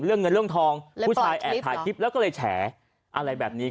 เรื่องเงินเรื่องทองผู้ชายแอบถ่ายคลิปแล้วก็เลยแฉอะไรแบบนี้